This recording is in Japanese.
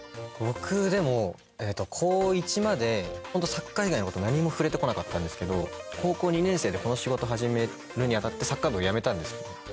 僕でも高１までホントサッカー以外のこと何も触れてこなかったんですけど高校２年生でこの仕事始めるに当たってサッカー部を辞めたんです。